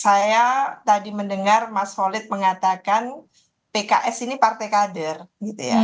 saya tadi mendengar mas holid mengatakan pks ini partai kader gitu ya